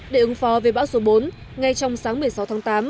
để ứng phó với bão số bốn ngay trong sáng một mươi sáu tháng tám